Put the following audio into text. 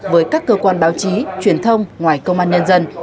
với các cơ quan báo chí truyền thông ngoài công an nhân dân